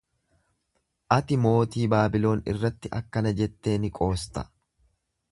Ati mootii Baabiloon irratti akkana jettee ni qoosta.